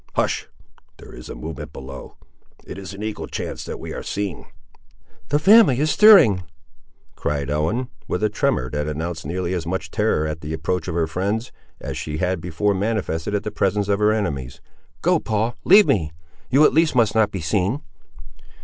—Hush! there is a movement below; it is an equal chance that we are seen." "The family is stirring," cried Ellen, with a tremor that announced nearly as much terror at the approach of her friends, as she had before manifested at the presence of her enemies. "Go, Paul, leave me. You, at least, must not be seen!"